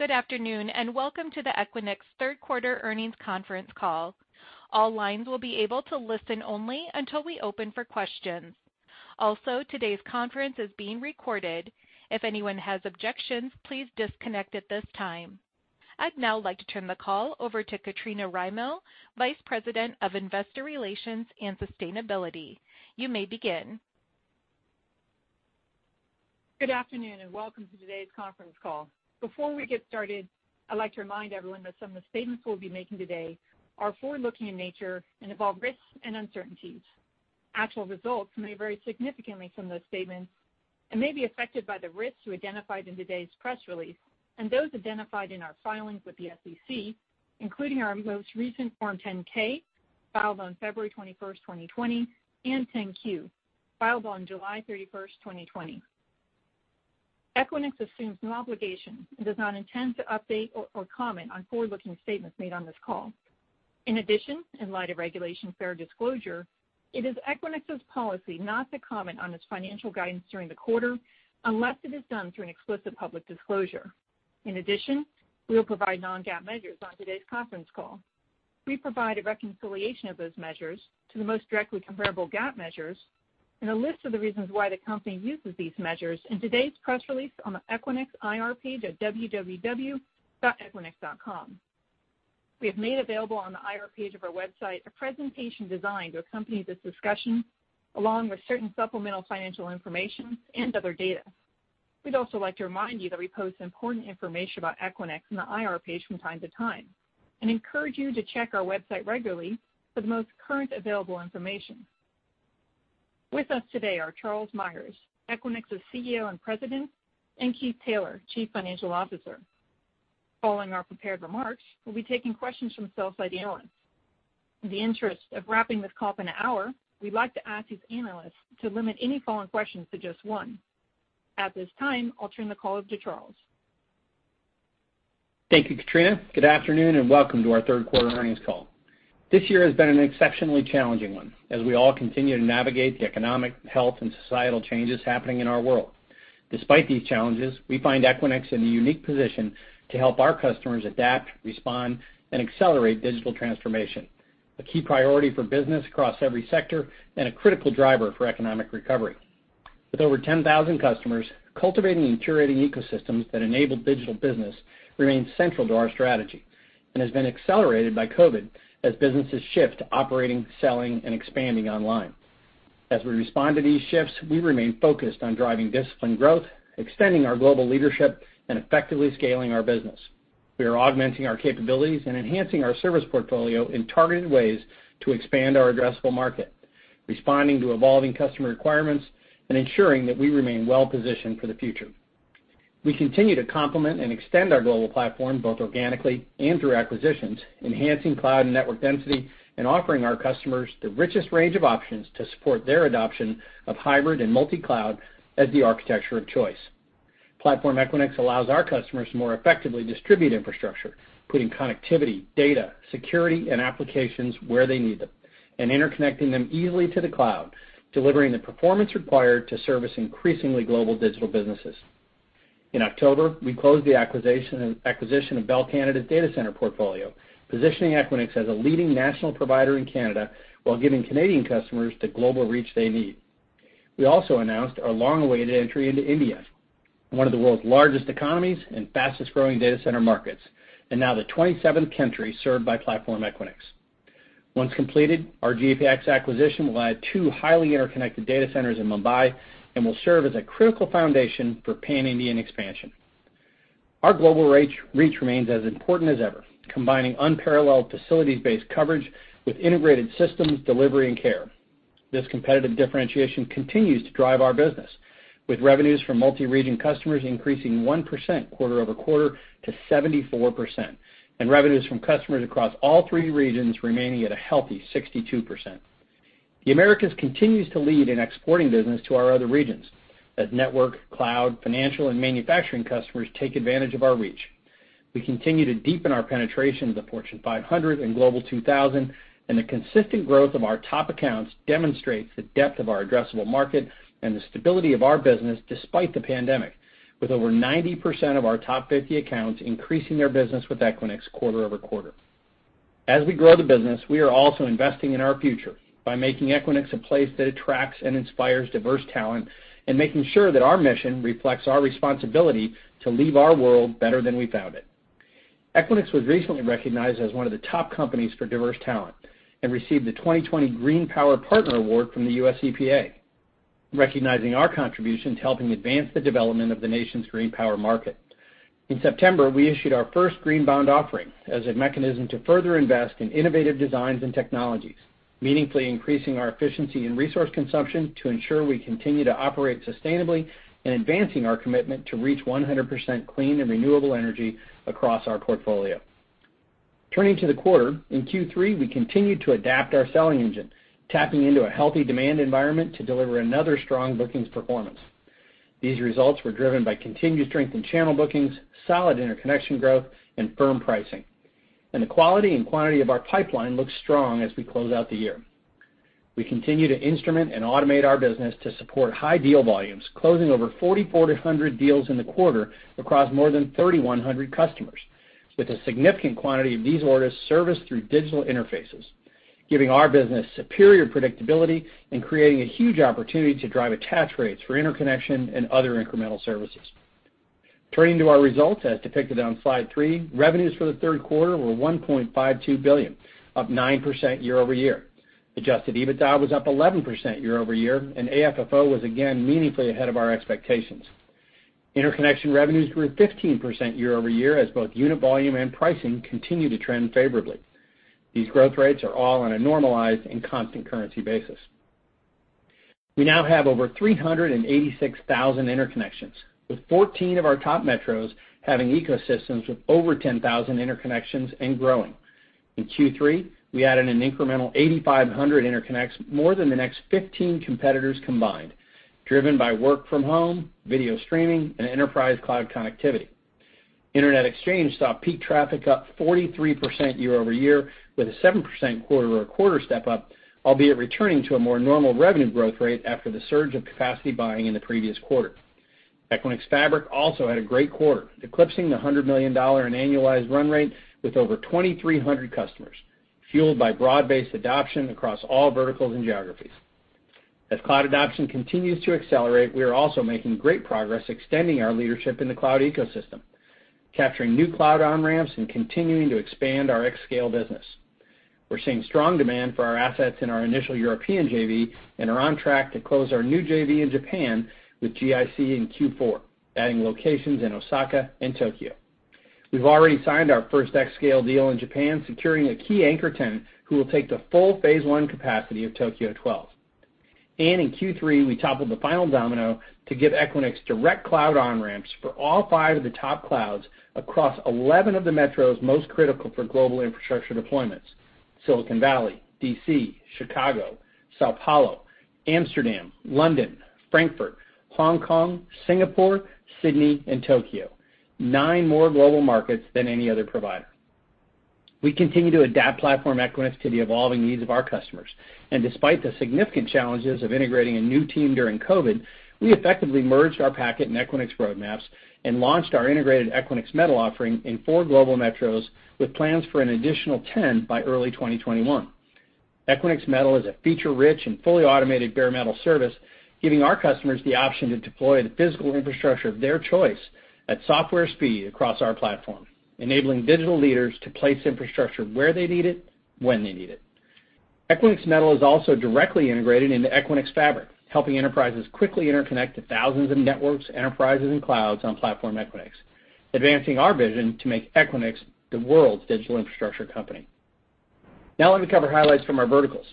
Good afternoon, and welcome to the Equinix Q3 earnings conference call. All lines will be able to listen-only until we open for questions. Also, today's conference is being recorded. If anyone has objections, please disconnect this time. I'd now like to turn the call over to Katrina Rymill, Vice President of Investor Relations and Sustainability. You may begin. Good afternoon, and welcome to today's conference call. Before we get started, I'd like to remind everyone that some of the statements we'll be making today are forward-looking in nature and involve risks and uncertainties. Actual results may vary significantly from those statements and may be affected by the risks we identified in today's press release and those identified in our filings with the SEC, including our most recent Form 10-K, filed on February 21st, 2020, and Form 10-Q, filed on July 31st, 2020. Equinix assumes no obligation and does not intend to update or comment on forward-looking statements made on this call. In addition, in light of Regulation Fair Disclosure, it is Equinix's policy not to comment on its financial guidance during the quarter unless it is done through an explicit public disclosure. In addition, we will provide non-GAAP measures on today's conference call. We provide a reconciliation of those measures to the most directly comparable GAAP measures and a list of the reasons why the company uses these measures in today's press release on the Equinix IR page at www.equinix.com. We have made available on the IR page of our website a presentation designed to accompany this discussion, along with certain supplemental financial information and other data. We'd also like to remind you that we post important information about Equinix on the IR page from time to time and encourage you to check our website regularly for the most current available information. With us today are Charles Meyers, Equinix's CEO and President, and Keith Taylor, Chief Financial Officer. Following our prepared remarks, we'll be taking questions from sell-side analysts. In the interest of wrapping this call up in an hour, we'd like to ask these analysts to limit any following questions to just 1. At this time, I'll turn the call over to Charles. Thank you, Katrina. Good afternoon. Welcome to our Q3 earnings call. This year has been an exceptionally challenging one as we all continue to navigate the economic, health, and societal changes happening in our world. Despite these challenges, we find Equinix in a unique position to help our customers adapt, respond, and accelerate digital transformation, a key priority for business across every sector and a critical driver for economic recovery. With over 10,000 customers, cultivating and curating ecosystems that enable digital business remains central to our strategy and has been accelerated by COVID as businesses shift to operating, selling, and expanding online. As we respond to these shifts, we remain focused on driving disciplined growth, extending our global leadership, and effectively scaling our business. We are augmenting our capabilities and enhancing our service portfolio in targeted ways to expand our addressable market, responding to evolving customer requirements and ensuring that we remain well-positioned for the future. We continue to complement and extend our global platform both organically and through acquisitions, enhancing cloud and network density and offering our customers the richest range of options to support their adoption of hybrid and multi-cloud as the architecture of choice. Platform Equinix allows our customers to more effectively distribute infrastructure, putting connectivity, data, security, and applications where they need them, and interconnecting them easily to the cloud, delivering the performance required to service increasingly global digital businesses. In October, we closed the acquisition of Bell Canada's data center portfolio, positioning Equinix as a leading national provider in Canada while giving Canadian customers the global reach they need. We also announced our long-awaited entry into India, one of the world's largest economies and fastest-growing data center markets, and now the 27th country served by Platform Equinix. Once completed, our GPX acquisition will add two highly interconnected data centers in Mumbai and will serve as a critical foundation for pan-Indian expansion. Our global reach remains as important as ever, combining unparalleled facilities-based coverage with integrated systems, delivery, and care. This competitive differentiation continues to drive our business, with revenues from multi-region customers increasing 1% quarter-over-quarter to 74%, and revenues from customers across all three regions remaining at a healthy 62%. The Americas continues to lead in exporting business to our other regions as network, cloud, financial, and manufacturing customers take advantage of our reach. We continue to deepen our penetration of the Fortune 500 and Global 2000. The consistent growth of our top accounts demonstrates the depth of our addressable market and the stability of our business despite the pandemic, with over 90% of our top 50 accounts increasing their business with Equinix quarter-over-quarter. As we grow the business, we are also investing in our future by making Equinix a place that attracts and inspires diverse talent and making sure that our mission reflects our responsibility to leave our world better than we found it. Equinix was recently recognized as one of the top companies for diverse talent and received the 2020 Green Power Partner Award from the U.S. Environmental Protection Agency, recognizing our contribution to helping advance the development of the nation's green power market. In September, we issued our first green bond offering as a mechanism to further invest in innovative designs and technologies, meaningfully increasing our efficiency and resource consumption to ensure we continue to operate sustainably and advancing our commitment to reach 100% clean and renewable energy across our portfolio. Turning to the quarter, in Q3, we continued to adapt our selling engine, tapping into a healthy demand environment to deliver another strong booking performance. These results were driven by continued strength in channel bookings, solid interconnection growth, and firm pricing. The quality and quantity of our pipeline look strong as we close out the year. We continue to instrument and automate our business to support high deal volumes, closing over 4,400 deals in the quarter across more than 3,100 customers, with a significant quantity of these orders serviced through digital interfaces, giving our business superior predictability and creating a huge opportunity to drive attach rates for interconnection and other incremental services. Turning to our results as depicted on slide three, revenues for the Q3 were $1.52 billion, up 9% year-over-year. Adjusted EBITDA was up 11% year-over-year, and AFFO was again meaningfully ahead of our expectations. Interconnection revenues grew 15% year-over-year as both unit volume and pricing continued to trend favorably. These growth rates are all on a normalized and constant currency basis. We now have over 386,000 interconnections, with 14 of our top metros having ecosystems with over 10,000 interconnections and growing. In Q3, we added an incremental 8,500 interconnects, more than the next 15 competitors combined, driven by work from home, video streaming, and enterprise cloud connectivity. Internet exchange saw peak traffic up 43% year-over-year, with a 7% quarter-over-quarter step up, albeit returning to a more normal revenue growth rate after the surge of capacity buying in the previous quarter. Equinix Fabric also had a great quarter, eclipsing the $100 million in annualized run rate with over 2,300 customers, fueled by broad-based adoption across all verticals and geographies. As cloud adoption continues to accelerate, we are also making great progress extending our leadership in the cloud ecosystem, capturing new cloud on-ramps and continuing to expand our xScale business. We're seeing strong demand for our assets in our initial European JV and are on track to close our new JV in Japan with GIC in Q4, adding locations in Osaka and Tokyo. We've already signed our first xScale deal in Japan, securing a key anchor tenant who will take the full phase I capacity of Tokyo Twelve. In Q3, we toppled the final domino to give Equinix direct cloud on ramps for all five of the top clouds across 11 of the metros most critical for global infrastructure deployments: Silicon Valley, D.C., Chicago, São Paulo, Amsterdam, London, Frankfurt, Hong Kong, Singapore, Sydney, and Tokyo. 9 more global markets than any other provider. We continue to adapt Platform Equinix to the evolving needs of our customers. Despite the significant challenges of integrating a new team during COVID, we effectively merged our Packet and Equinix roadmaps and launched our integrated Equinix Metal offering in four global metros with plans for an additional 10 by early 2021. Equinix Metal is a feature-rich and fully automated bare metal service, giving our customers the option to deploy the physical infrastructure of their choice at software speed across our platform, enabling digital leaders to place infrastructure where they need it, when they need it. Equinix Metal is also directly integrated into Equinix Fabric, helping enterprises quickly interconnect to thousands of networks, enterprises, and clouds on the platform Equinix, advancing our vision to make Equinix the world's digital infrastructure company. Now let me cover highlights from our verticals.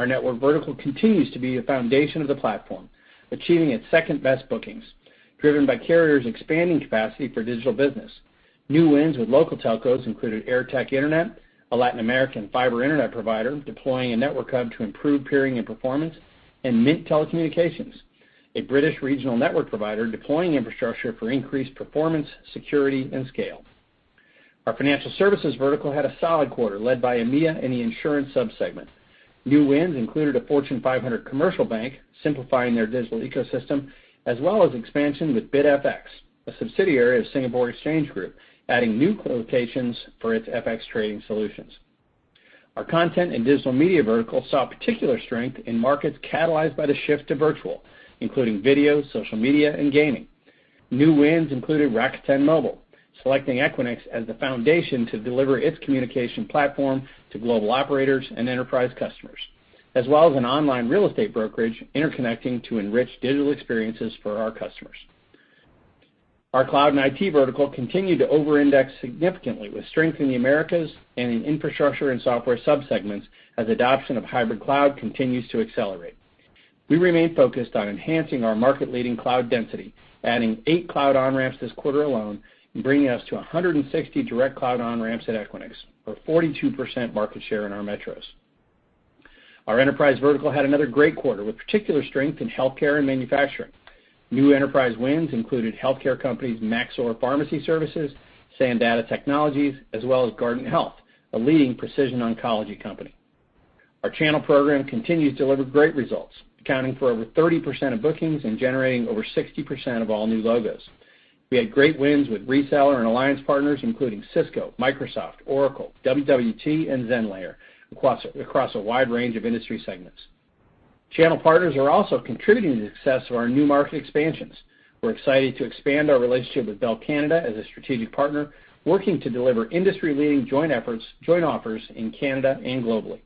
Our network vertical continues to be the foundation of the platform, achieving its second-best bookings, driven by carriers expanding capacity for digital business. New wins with local telcos included Airtek Internet, a Latin American fiber internet provider deploying a network hub to improve peering and performance, and Mint Telecommunications, a British regional network provider deploying infrastructure for increased performance, security, and scale. Our financial services vertical had a solid quarter, led by EMEA and the insurance sub-segment. New wins included a Fortune 500 commercial bank simplifying their digital ecosystem, as well as expansion with BidFX, a subsidiary of Singapore Exchange Group, adding new co-locations for its FX trading solutions. Our content and digital media vertical saw particular strength in markets catalyzed by the shift to virtual, including video, social media, and gaming. New wins included Rakuten Mobile, selecting Equinix as the foundation to deliver its communication platform to global operators and enterprise customers, as well as an online real estate brokerage interconnecting to enrich digital experiences for our customers. Our cloud and IT vertical continued to over-index significantly with strength in the Americas and in infrastructure and software sub-segments as adoption of hybrid cloud continues to accelerate. We remain focused on enhancing our market-leading cloud density, adding eight cloud on-ramps this quarter alone and bringing us to 160 direct cloud on-ramps at Equinix, or 42% market share in our metros. Our enterprise vertical had another great quarter, with particular strength in healthcare and manufacturing. New enterprise wins included healthcare companies Maxor Pharmacy Services, Sandata Technologies, as well as Guardant Health, a leading precision oncology company. Our channel program continues to deliver great results, accounting for over 30% of bookings and generating over 60% of all new logos. We had great wins with reseller and alliance partners, including Cisco, Microsoft, Oracle, WWT, and Zenlayer across a wide range of industry segments. Channel partners are also contributing to the success of our new market expansions. We're excited to expand our relationship with Bell Canada as a strategic partner, working to deliver industry-leading joint offers in Canada and globally.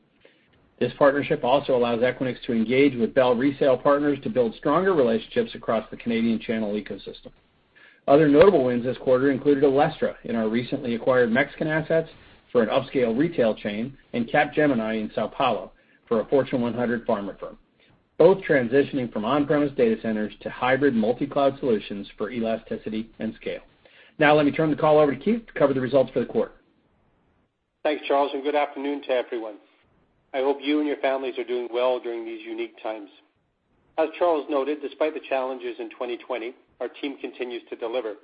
This partnership also allows Equinix to engage with Bell resale partners to build stronger relationships across the Canadian channel ecosystem. Other notable wins this quarter included Alestra in our recently acquired Mexican assets for an upscale retail chain and Capgemini in São Paulo for a Fortune 100 pharma firm, both transitioning from on-premises data centers to hybrid multi-cloud solutions for elasticity and scale. Let me turn the call over to Keith to cover the results for the quarter. Thanks, Charles, and good afternoon to everyone. I hope you and your families are doing well during these unique times. As Charles noted, despite the challenges in 2020, our team continues to deliver.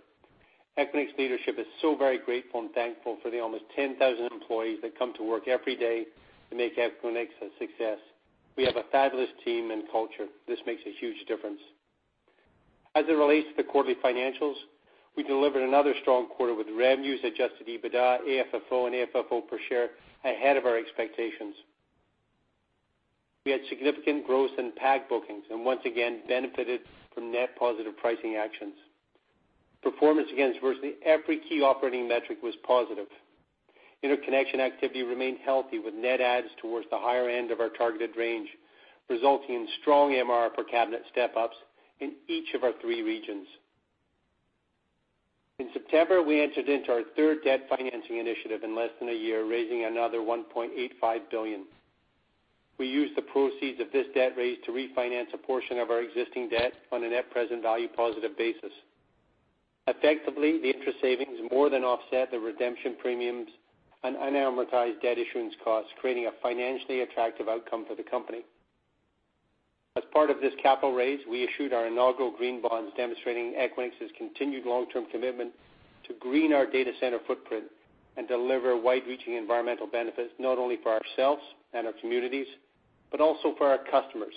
Equinix leadership is so very grateful and thankful for the almost 10,000 employees that come to work every day to make Equinix a success. We have a fabulous team and culture. This makes a huge difference. As it relates to the quarterly financials, we delivered another strong quarter with revenues, adjusted EBITDA, AFFO, and AFFO per share ahead of our expectations. We had significant growth in APAC bookings and once again benefited from net positive pricing actions. Performance against virtually every key operating metric was positive. Interconnection activity remained healthy with net adds towards the higher end of our targeted range, resulting in strong MRR per cabinet step-ups in each of our three regions. In September, we entered into our third debt financing initiative in less than a year, raising another $1.85 billion. We used the proceeds of this debt raise to refinance a portion of our existing debt on a net present value positive basis. Effectively, the interest savings more than offset the redemption premiums on unamortized debt issuance costs, creating a financially attractive outcome for the company. As part of this capital raise, we issued our inaugural green bonds demonstrating Equinix's continued long-term commitment to green our data center footprint and deliver wide-reaching environmental benefits, not only for ourselves and our communities, but also for our customers.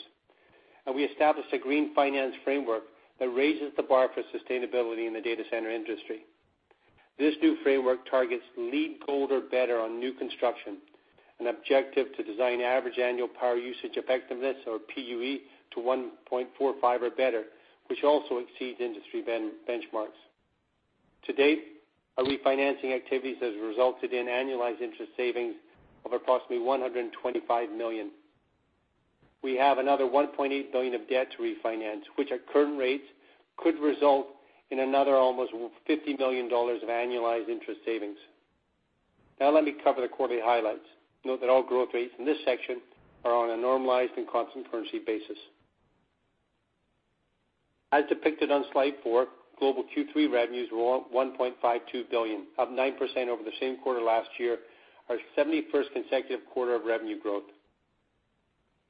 We established a green finance framework that raises the bar for sustainability in the data center industry. This new framework targets LEED Gold or better on new construction, an objective to design average annual power usage effectiveness or PUE to 1.45 or better, which also exceeds industry benchmarks. To date, our refinancing activities has resulted in annualized interest savings of approximately $125 million. We have another $1.8 billion of debt to refinance, which at current rates could result in another almost $50 million of annualized interest savings. Let me cover the quarterly highlights. Note that all growth rates in this section are on a normalized and constant currency basis. As depicted on slide four, global Q3 revenues were $1.52 billion, up 9% over the same quarter last year, our 71st consecutive quarter of revenue growth.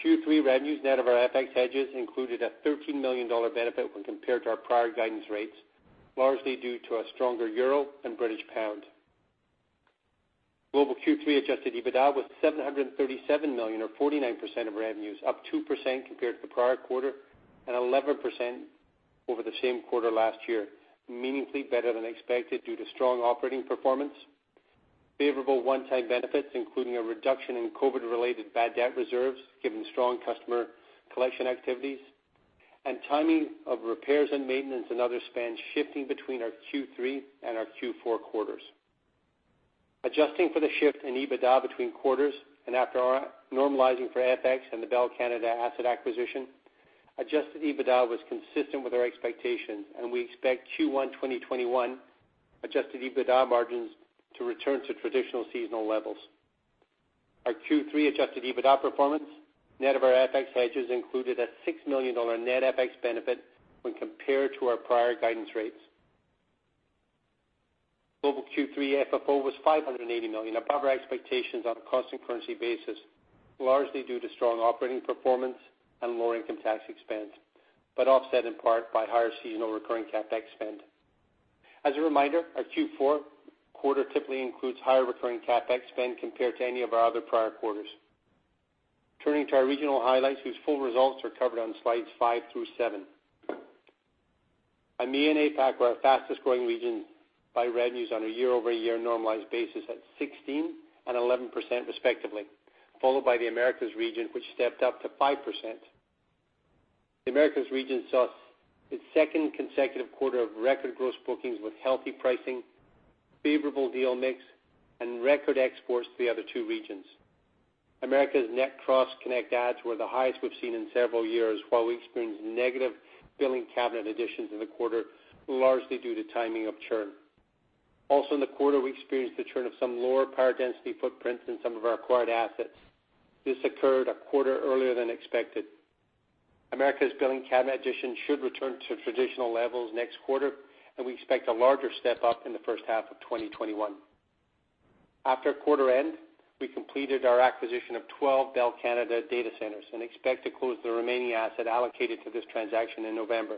Q3 revenues net of our FX hedges included a $13 million benefit when compared to our prior guidance rates, largely due to a stronger euro and British pound. Global Q3 adjusted EBITDA was $737 million or 49% of revenues, up 2% compared to the prior quarter and 11% over the same quarter last year, meaningfully better than expected due to strong operating performance, favorable one-time benefits, including a reduction in COVID-related bad debt reserves, given strong customer collection activities, and timing of repairs and maintenance and other spends shifting between our Q3 and our Q4 quarters. Adjusting for the shift in EBITDA between quarters and after our normalizing for FX and the Bell Canada asset acquisition, adjusted EBITDA was consistent with our expectations, and we expect Q1 2021 adjusted EBITDA margins to return to traditional seasonal levels. Our Q3 adjusted EBITDA performance, net of our FX hedges, included a $6 million net FX benefit when compared to our prior guidance rates. Global Q3 FFO was $580 million, above our expectations on a constant currency basis, largely due to strong operating performance and lower income tax expense. Offset in part by higher seasonal recurring CapEx spend. As a reminder, our Q4 quarter typically includes higher recurring CapEx spend compared to any of our other prior quarters. Turning to our regional highlights, whose full results are covered on slides five through seven. EMEA and APAC were our fastest-growing regions by revenues on a year-over-year normalized basis at 16% and 11% respectively, followed by the Americas region, which stepped up to 5%. The Americas region saw its second consecutive quarter of record gross bookings with healthy pricing, favorable deal mix, and record exports to the other two regions. Americas net cross-connect adds were the highest we've seen in several years, while we experienced negative billing cabinet additions in the quarter, largely due to timing of churn. Also in the quarter, we experienced the churn of some lower power density footprints in some of our acquired assets. This occurred a quarter earlier than expected. Americas billing cabinet additions should return to traditional levels next quarter, and we expect a larger step-up in the H1 of 2021. After quarter-end, we completed our acquisition of 12 Bell Canada data centers and expect to close the remaining asset allocated to this transaction in November,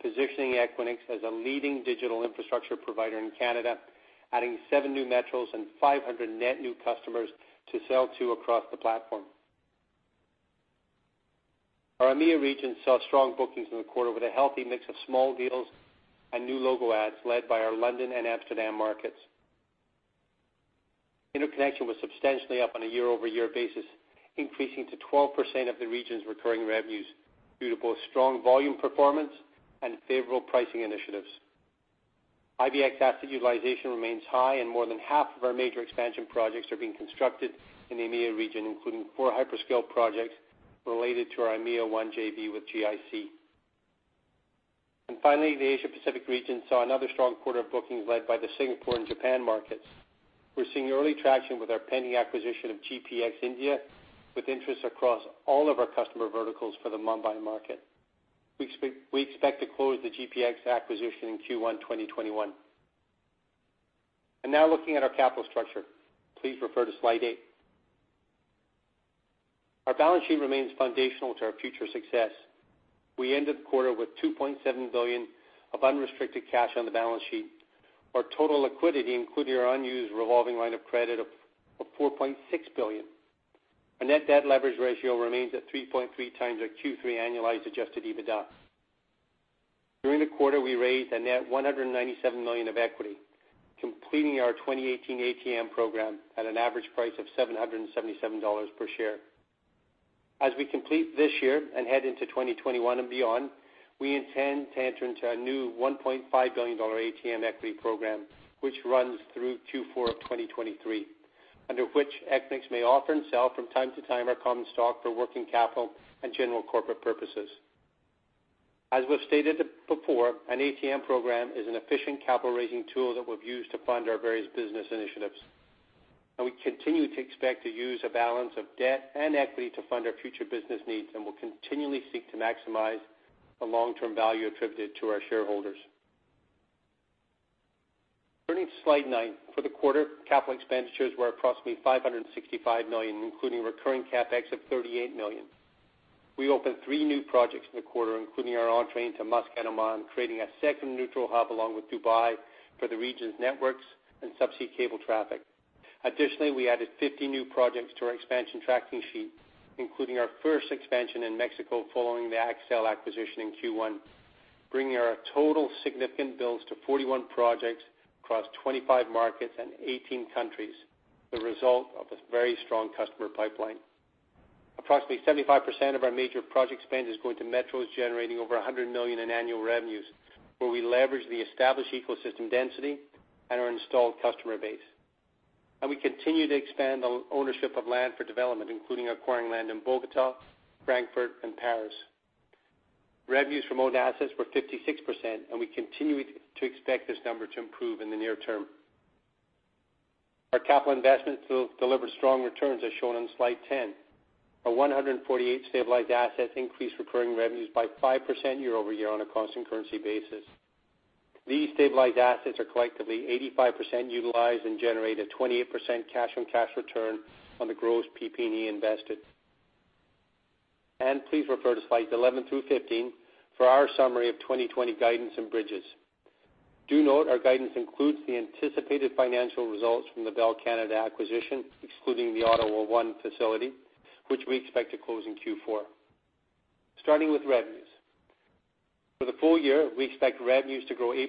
positioning Equinix as a leading digital infrastructure provider in Canada, adding seven new metros and 500 net new customers to sell to across the platform. Our EMEA region saw strong bookings in the quarter with a healthy mix of small deals and new logo adds led by our London and Amsterdam markets. Interconnection was substantially up on a year-over-year basis, increasing to 12% of the region's recurring revenues due to both strong volume performance and favorable pricing initiatives. IBX asset utilization remains high, and more than half of our major expansion projects are being constructed in the EMEA region, including four hyperscale projects related to our EMEA 1 JV with GIC. Finally, the Asia Pacific region saw another strong quarter of bookings led by the Singapore and Japan markets. We're seeing early traction with our pending acquisition of GPX India with interest across all of our customer verticals for the Mumbai market. We expect to close the GPX acquisition in Q1 2021. Now looking at our capital structure. Please refer to slide 8. Our balance sheet remains foundational to our future success. We ended the quarter with $2.7 billion of unrestricted cash on the balance sheet. Our total liquidity, including our unused revolving line of credit of $4.6 billion. Our net debt leverage ratio remains at 3.3 times our Q3 annualized adjusted EBITDA. During the quarter, we raised a net $197 million of equity, completing our 2018 ATM program at an average price of $777 per share. We complete this year and head into 2021 and beyond, we intend to enter into our new $1.5 billion ATM equity program, which runs through Q4 of 2023, under which Equinix may offer and sell from time to time our common stock for working capital and general corporate purposes. We've stated before, an ATM program is an efficient capital raising tool that we've used to fund our various business initiatives. We continue to expect to use a balance of debt and equity to fund our future business needs, and we'll continually seek to maximize the long-term value attributed to our shareholders. Turning to slide nine. For the quarter, capital expenditures were approximately $565 million, including recurring CapEx of $38 million. We opened three new projects in the quarter, including our entry to Muscat, Oman, creating a second neutral hub along with Dubai for the region's networks and subsea cable traffic. We added 50 new projects to our expansion tracking sheet, including our first expansion in Mexico following the Axtel acquisition in Q1, bringing our total significant builds to 41 projects across 25 markets and 18 countries, the result of a very strong customer pipeline. Approximately 75% of our major project spend is going to metros generating over $100 million in annual revenues, where we leverage the established ecosystem density and our installed customer base. We continue to expand the ownership of land for development, including acquiring land in Bogota, Frankfurt and Paris. Revenues from owned assets were 56%, we continue to expect this number to improve in the near term. Our capital investments delivered strong returns, as shown on slide 10. Our 148 stabilized assets increased recurring revenues by 5% year-over-year on a constant currency basis. These stabilized assets are collectively 85% utilized and generate a 28% cash on cash return on the gross PP&E invested. Please refer to slides 11 through 15 for our summary of 2020 guidance and bridges. Do note our guidance includes the anticipated financial results from the Bell Canada acquisition, excluding the Ottawa One facility, which we expect to close in Q4. Starting with revenues. For the full year, we expect revenues to grow 8%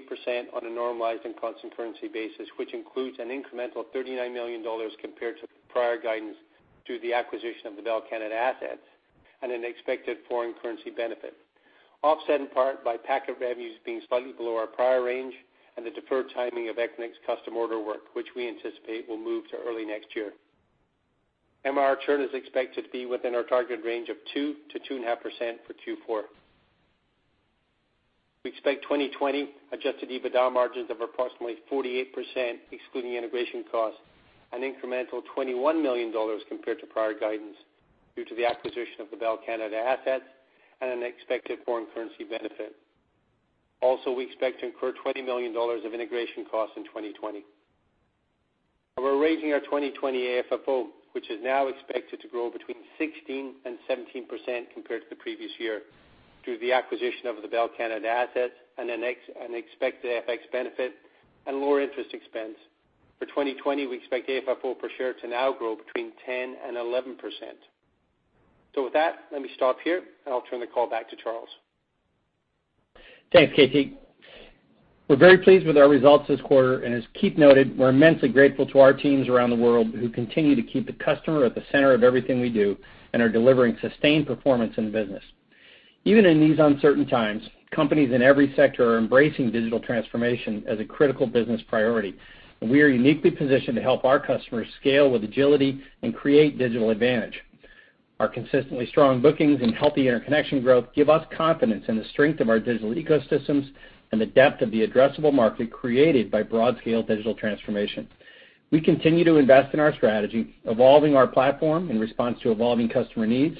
on a normalized and constant currency basis, which includes an incremental $39 million compared to prior guidance through the acquisition of the Bell Canada assets and an expected foreign currency benefit, offset in part by Packet revenues being slightly below our prior range and the deferred timing of Equinix custom order work, which we anticipate will move to early next year. MRR churn is expected to be within our target range of 2%-2.5% for Q4. We expect 2020 adjusted EBITDA margins of approximately 48%, excluding integration costs, an incremental $21 million compared to prior guidance due to the acquisition of the Bell Canada assets and an expected FX benefit and lower interest expense. For 2020, we expect AFFO per share to now grow between 10% and 11%. With that, let me stop here, and I'll turn the call back to Charles. Thanks, KT. We are very pleased with our results this quarter, and as Keith noted, we are immensely grateful to our teams around the world who continue to keep the customer at the center of everything we do and are delivering sustained performance in the business. Even in these uncertain times, companies in every sector are embracing digital transformation as a critical business priority, and we are uniquely positioned to help our customers scale with agility and create digital advantage. Our consistently strong bookings and healthy interconnection growth give us confidence in the strength of our digital ecosystems and the depth of the addressable market created by broad-scale digital transformation. We continue to invest in our strategy, evolving our platform in response to evolving customer needs,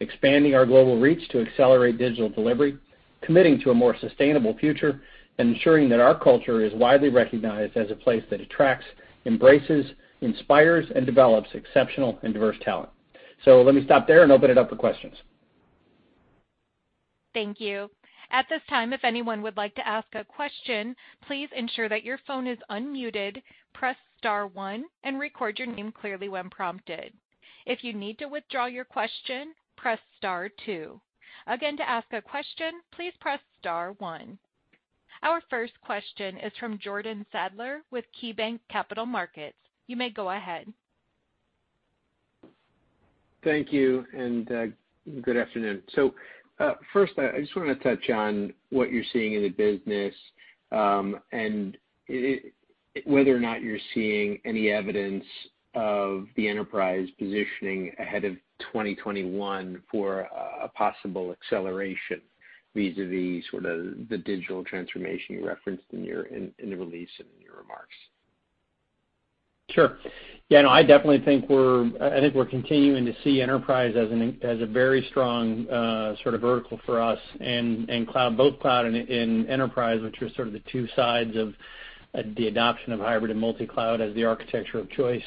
expanding our global reach to accelerate digital delivery, committing to a more sustainable future, and ensuring that our culture is widely recognized as a place that attracts, embraces, inspires, and develops exceptional and diverse talent. Let me stop there and open it up for questions. Thank you. At this time, anyone that would like to ask a question please ensure that your phone is unmuted, press star one and record your name clearly when prompted. If you would like to withdraw your question, please press star two. Again, to ask a question please press star one. Our first question is from Jordan Sadler with KeyBanc Capital Markets. You may go ahead. Thank you, good afternoon. First, I just want to touch on what you're seeing in the business, whether or not you're seeing any evidence of the enterprise positioning ahead of 2021 for a possible acceleration vis-a-vis sort of the digital transformation you referenced in the release and in your remarks? Sure. Yeah, no, I definitely think we're continuing to see enterprise as a very strong sort of vertical for us and cloud, both cloud and enterprise, which are sort of the two sides of the adoption of hybrid and multi-cloud as the architecture of choice.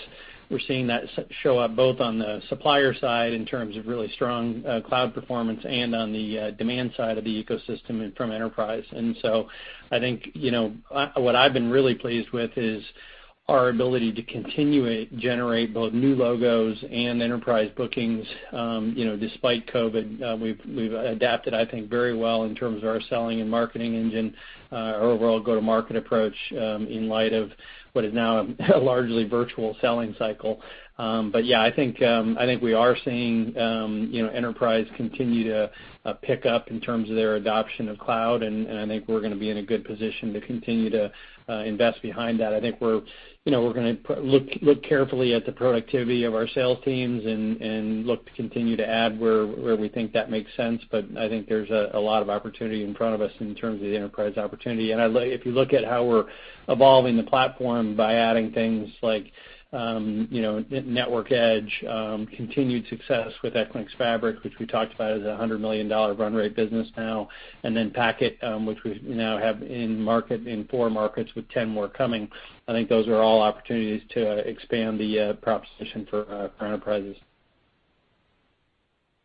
We're seeing that show up both on the supplier side in terms of really strong cloud performance and on the demand side of the ecosystem and from enterprise. I think, you know, what I've been really pleased with is our ability to continue generate both new logos and enterprise bookings. You know, despite COVID, we've adapted, I think, very well in terms of our selling and marketing engine, our overall go-to-market approach, in light of what is now a largely virtual selling cycle. Yeah, I think, I think we are seeing, you know, enterprise continue to pick up in terms of their adoption of cloud, and I think we're going to be in a good position to continue to invest behind that. I think we're, you know, we're going to look carefully at the productivity of our sales teams and look to continue to add where we think that makes sense. I think there's a lot of opportunity in front of us in terms of the enterprise opportunity. If you look at how we're evolving the platform by adding things like, you know, Network Edge, continued success with Equinix Fabric, which we talked about is a $100 million run rate business now, and then Packet, which we now have in market in four markets with 10 more coming. I think those are all opportunities to expand the proposition for enterprises.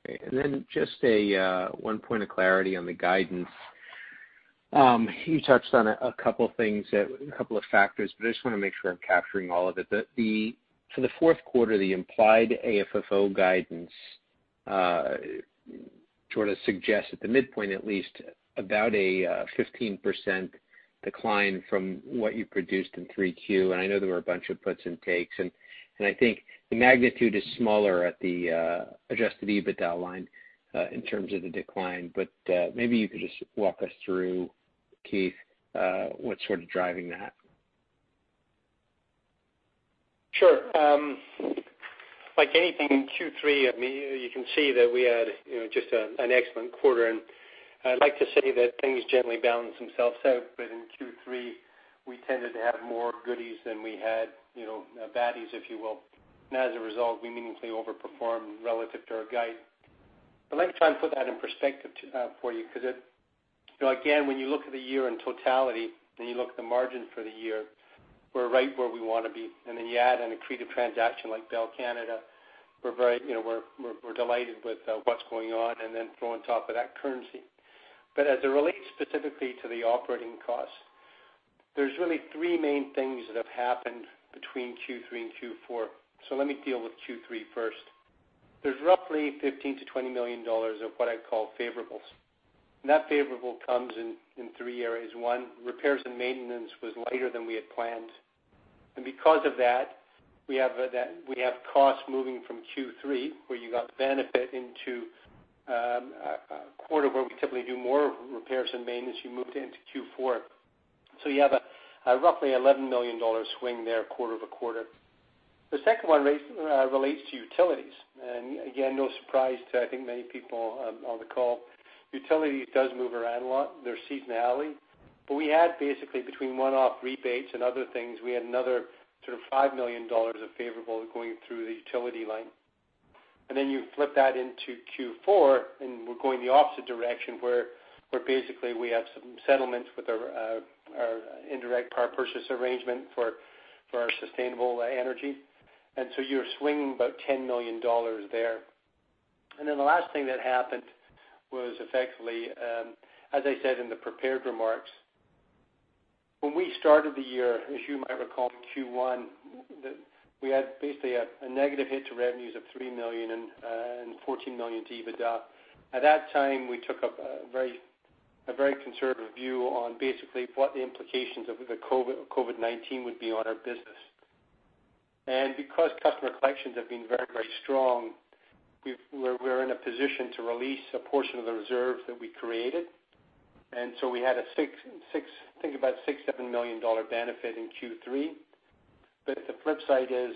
Great. Then just a one point of clarity on the guidance. You touched on a couple things that, a couple of factors, but I just want to make sure I'm capturing all of it. For the Q4, the implied AFFO guidance sort of suggests at the midpoint at least about a 15% decline from what you produced in 3Q. I know there were a bunch of puts and takes, and I think the magnitude is smaller at the adjusted EBITDA line in terms of the decline. Maybe you could just walk us through, Keith, what's sort of driving that. Sure. Like anything in Q3, I mean, you can see that we had, you know, just an excellent quarter. I'd like to say that things generally balance themselves out. In Q3, we tended to have more goodies than we had, you know, baddies, if you will. As a result, we meaningfully overperformed relative to our guide. I'd like to try and put that in perspective for you because, you know, again, when you look at the year in totality, you look at the margin for the year, we're right where we want to be. Then you add an accretive transaction like Bell Canada, we're very, you know, we're delighted with what's going on. Then throw on top of that currency. As it relates specifically to the operating costs, there's really three main things that have happened between Q3 and Q4. Let me deal with Q3 first. There's roughly $15-$20 million of what I'd call favorable. That favorable comes in three areas. One, repairs and maintenance was lighter than we had planned. Because of that, we have costs moving from Q3, where you got the benefit into a quarter where we typically do more repairs and maintenance, you moved into Q4. You have a roughly $11 million swing there quarter-over-quarter. The second one relates to utilities. Again, no surprise to I think many people on the call. Utilities do move around a lot. There's seasonality. We had basically between one-off rebates and other things, we had another sort of $5 million of favorable going through the utility line. You flip that into Q4, and we're going the opposite direction, where basically we have some settlements with our indirect power purchase arrangement for our sustainable energy. You're swinging about $10 million there. The last thing that happened was effectively, as I said in the prepared remarks, when we started the year, as you might recall from Q1, we had basically a negative hit to revenues of $3 million and $14 million to EBITDA. At that time, we took a very conservative view on basically what the implications of the COVID-19 would be on our business. Because customer collections have been very, very strong, we're in a position to release a portion of the reserve that we created. We had a $6-$7 million benefit in Q3. The flip side is,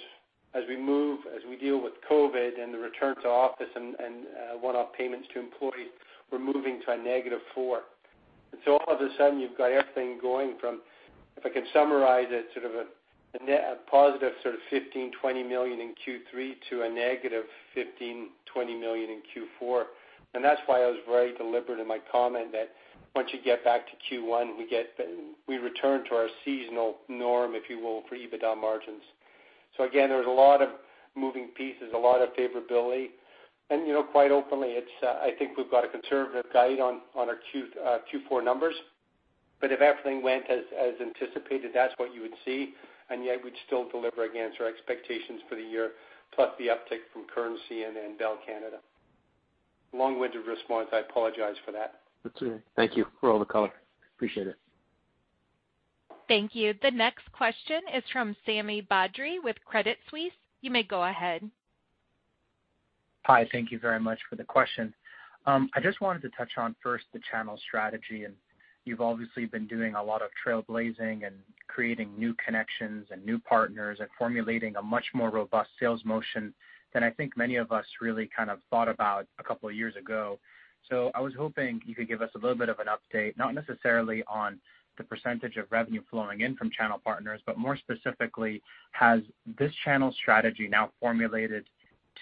as we move, as we deal with COVID and the return to office and one-off payments to employees, we're moving to -$4. All of a sudden, you've got everything going from, if I can summarize it, sort of a positive sort of $15-$20 million in Q3 to -$15--$20 million in Q4. That's why I was very deliberate in my comment that once you get back to Q1, we return to our seasonal norm, if you will, for EBITDA margins. Again, there's a lot of moving pieces, a lot of favorability. You know, quite openly, it's, I think we've got a conservative guide on our Q4 numbers. If everything went as anticipated, that's what you would see. Yet we'd still deliver against our expectations for the year, plus the uptick from currency and then Bell Canada. Long-winded response. I apologize for that. That's okay. Thank you for all the color. Appreciate it. Thank you. The next question is from Sami Badri with Credit Suisse. You may go ahead. Hi. Thank you very much for the question. I just wanted to touch on first the channel strategy. You've obviously been doing a lot of trailblazing and creating new connections and new partners and formulating a much more robust sales motion than I think many of us really kind of thought about two years ago. I was hoping you could give us a little bit of an update, not necessarily on the percentage of revenue flowing in from channel partners, but more specifically, has this channel strategy now formulated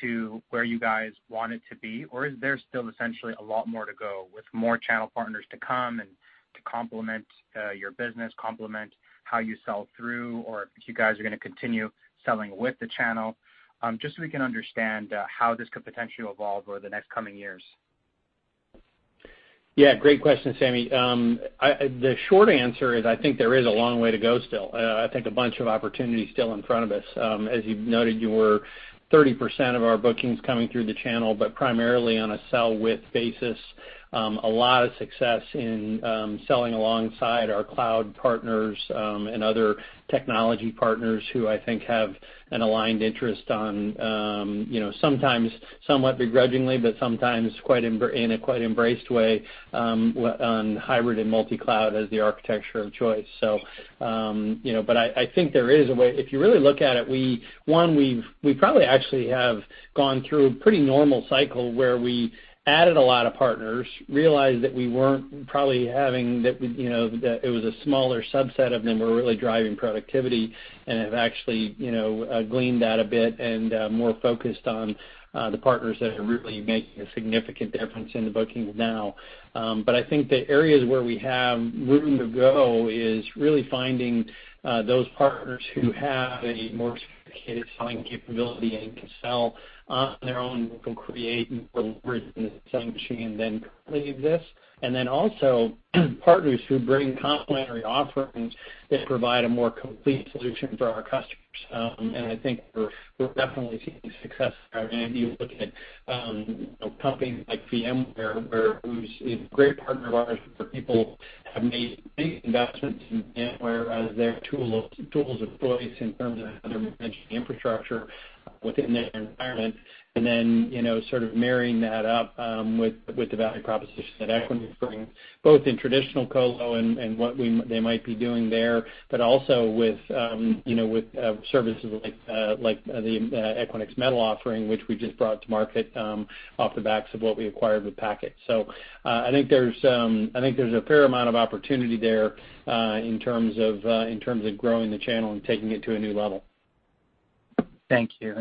to where you guys want it to be? Is there still essentially a lot more to go with more channel partners to come and to complement your business, complement how you sell through, or if you guys are going to continue selling with the channel? Just so we can understand how this could potentially evolve over the next coming years. Yeah, great question, Sami. The short answer is, I think there is a long way to go still. I think a bunch of opportunities still in front of us. As you've noted, you were 30% of our bookings coming through the channel, but primarily on a sell-with basis. A lot of success in selling alongside our cloud partners and other technology partners who I think have an aligned interest on, you know, sometimes somewhat begrudgingly, but sometimes quite in a quite embraced way, on hybrid and multi-cloud as the architecture of choice. You know, but I think there is a way. If you really look at it, we, one, we probably actually have gone through a pretty normal cycle where we added a lot of partners, realized that we weren't probably having that we, you know, that it was a smaller subset of them who are really driving productivity, and have actually, you know, gleaned that a bit and more focused on the partners that are really making a significant difference in the bookings now. I think the areas where we have room to go is really finding those partners who have a more sophisticated selling capability and can sell on their own, who can create a little greater selling machine than currently exists. Then also partners who bring complementary offerings that provide a more complete solution for our customers. I think we're definitely seeing success there. I mean, if you look at, you know, companies like VMware, whose is great partner of ours, where people have made big investments in VMware as their tools of choice in terms of other mentioned infrastructure within their environment. Then, you know, sort of marrying that up with the value proposition that Equinix brings, both in traditional colo and, they might be doing there, but also with, you know, services like the Equinix Metal offering, which we just brought to market off the backs of what we acquired with Packet. I think there's a fair amount of opportunity there in terms of growing the channel and taking it to a new level. Thank you.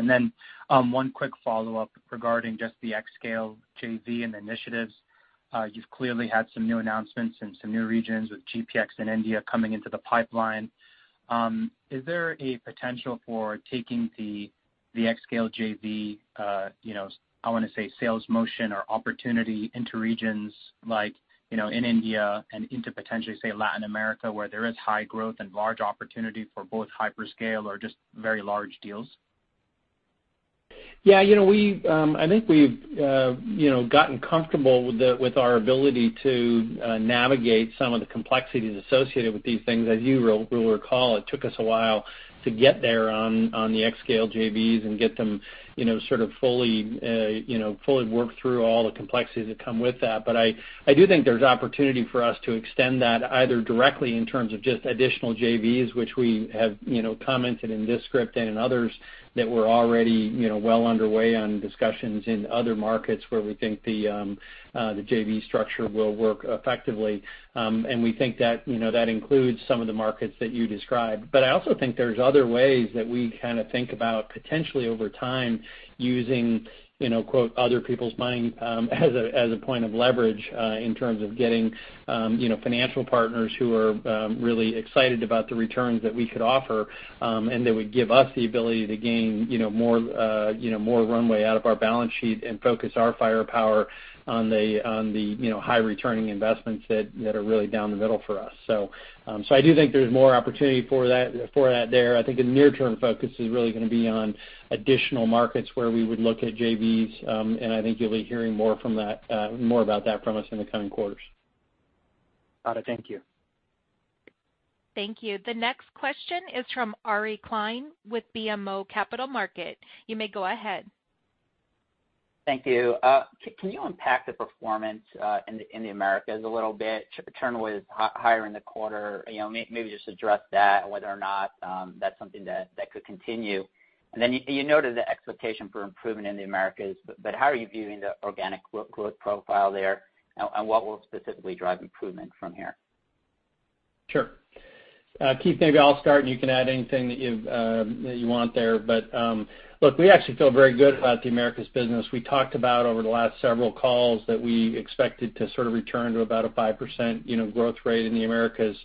One quick follow-up regarding just the xScale JV and initiatives. You've clearly had some new announcements and some new regions with GPX India coming into the pipeline. Is there a potential for taking the xScale JV, you know, I want to say sales motion or opportunity into regions like, you know, in India and into potentially, say, Latin America, where there is high growth and large opportunity for both hyperscale or just very large deals? Yeah. You know, we, I think we've, you know, gotten comfortable with our ability to navigate some of the complexities associated with these things. As you will recall, it took us a while to get there on the xScale JVs and get them, you know, sort of fully, you know, fully work through all the complexities that come with that. I do think there's opportunity for us to extend that either directly in terms of just additional JVs, which we have, you know, commented in this script and in others that we're already, you know, well underway on discussions in other markets where we think the JV structure will work effectively. We think that, you know, that includes some of the markets that you described. I also think there's other ways that we kind of think about potentially over time using, you know, quote, "other people's money," as a point of leverage, in terms of getting, you know, financial partners who are really excited about the returns that we could offer, and that would give us the ability to gain, you know, more, you know, more runway out of our balance sheet and focus our firepower on the, you know, high returning investments that are really down the middle for us. I do think there's more opportunity for that there. I think the near-term focus is really going to be on additional markets where we would look at JVs, and I think you'll be hearing more from that, more about that from us in the coming quarters. Got it. Thank you. Thank you. The next question is from Ari Klein with BMO Capital Markets. You may go ahead. Thank you. Can you unpack the performance in the Americas a little bit? Churn was higher in the quarter. You know, maybe just address that, whether or not that's something that could continue. You noted the expectation for improvement in the Americas, how are you viewing the organic growth profile there, and what will specifically drive improvement from here? Sure. Keith, maybe I'll start, and you can add anything that you've that you want there. Look, we actually feel very good about the Americas business. We talked about over the last several calls that we expected to sort of return to about a 5%, you know, growth rate in the Americas,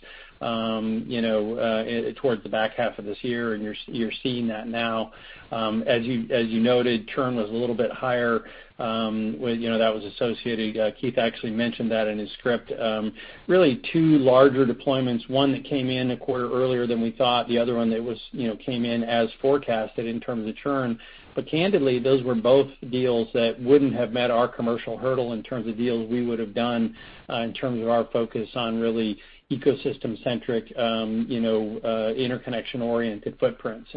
you know, towards the back half of this year, and you're seeing that now. As you noted, churn was a little bit higher, when, you know, that was associated. Keith actually mentioned that in his script. Really two larger deployments, one that came in a quarter earlier than we thought, the other one that was, you know, came in as forecasted in terms of churn. Candidly, those were both deals that wouldn't have met our commercial hurdle in terms of deals we would have done, in terms of our focus on really ecosystem-centric, you know, interconnection-oriented footprints.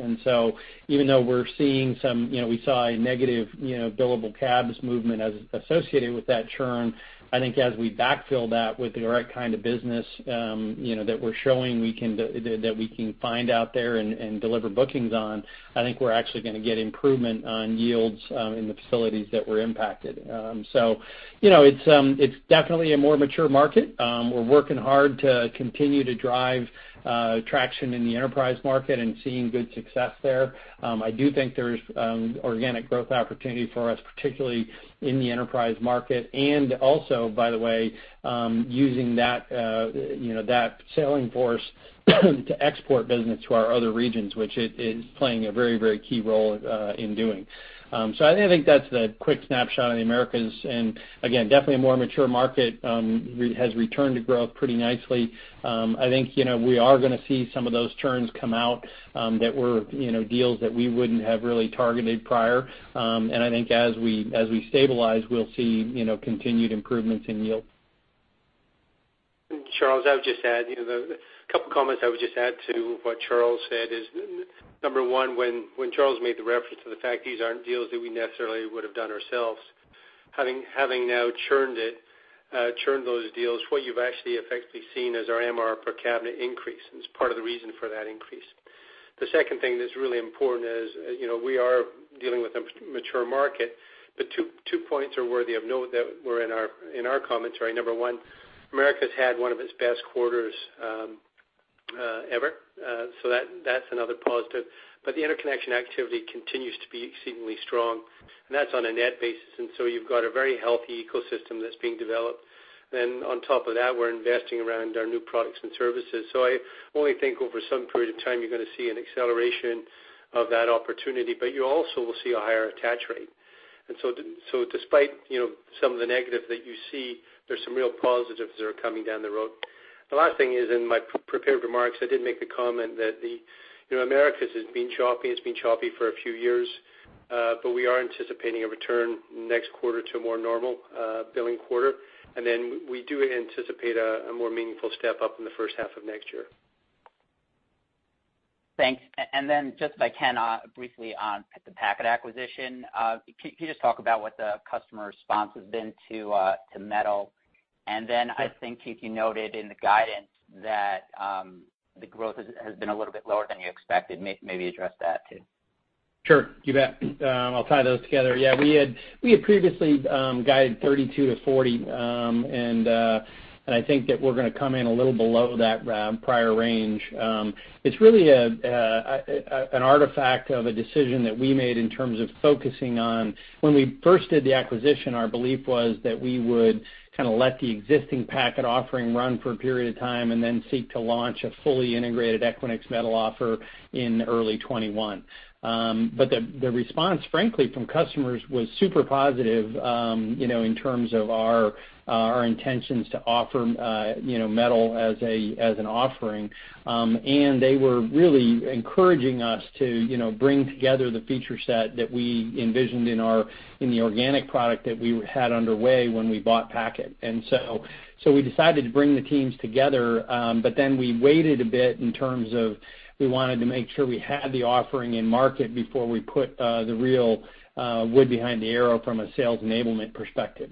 Even though we're seeing some, you know, we saw a negative, you know, billable cabs movement as associated with that churn, I think as we backfill that with the right kind of business, you know, that we're showing we can find out there and deliver bookings on, I think we're actually going to get improvement on yields, in the facilities that were impacted. You know, it's definitely a more mature market. We're working hard to continue to drive traction in the enterprise market and seeing good success there. I do think there's organic growth opportunity for us, particularly in the enterprise market, and also, by the way, using that, you know, that selling force to export business to our other regions, which it is playing a very, very key role in doing. I think that's the quick snapshot of the Americas. Again, definitely a more mature market, has returned to growth pretty nicely. I think, you know, we are going to see some of those churns come out, that were, you know, deals that we wouldn't have really targeted prior. I think as we stabilize, we'll see, you know, continued improvements in yield. Charles, I would just add, you know, the couple comments I would just add to what Charles said is number one, when Charles made the reference to the fact these aren't deals that we necessarily would've done ourselves, having now churned it, churned those deals, what you've actually effectively seen is our MRR per cabinet increase, and it's part of the reason for that increase. The second thing that's really important is, you know, we are dealing with a mature market. Two points are worthy of note that were in our commentary. Number one, Americas had one of its best quarters ever. That's another positive. The interconnection activity continues to be exceedingly strong, and that's on a net basis. You've got a very healthy ecosystem that's being developed. On top of that, we're investing around our new products and services. I only think over some period of time, you're going to see an acceleration of that opportunity, but you also will see a higher attach rate. Despite, you know, some of the negative that you see, there's some real positives that are coming down the road. The last thing is in my prepared remarks, I did make the comment that the, you know, Americas has been choppy. It's been choppy for a few years. We are anticipating a return next quarter to a more normal billing quarter. We do anticipate a more meaningful step-up in the H1 of next year. Thanks. Then just if I can, briefly on the Packet acquisition. Can you just talk about what the customer response has been to Metal? Then I think, Keith, you noted in the guidance that the growth has been a little bit lower than you expected. Maybe address that too. Sure, you bet. I'll tie those together. We had previously guided 32-40. I think that we're going to come in a little below that prior range. It's really an artifact of a decision that we made in terms of focusing on. When we first did the acquisition, our belief was that we would kind of let the existing Packet offering run for a period of time and then seek to launch a fully integrated Equinix Metal offer in early 2021. The response, frankly, from customers was super positive, you know, in terms of our intentions to offer, you know, Metal as an offering. They were really encouraging us to, you know, bring together the feature set that we envisioned in our, in the organic product that we had underway when we bought Packet. We decided to bring the teams together, but then we waited a bit in terms of we wanted to make sure we had the offering in market before we put the real wood behind the arrow from a sales enablement perspective.